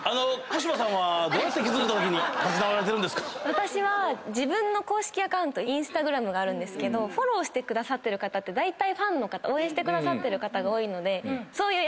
私は自分の公式アカウントＩｎｓｔａｇｒａｍがあるんですけどフォローしてくださってる方ってファンの方応援してくださる方が多いのでそういう。